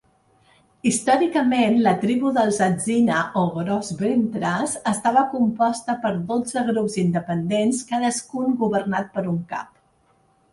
Històricament la tribu dels atsina o Gros Ventres estava composta per dotze grups independents, cadascun governat per un cap.